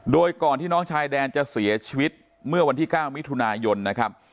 โดยก่อนที่น้องชายแดนจะเสียชีวิตเมื่อวันที่๙มิถุนายนนะครับ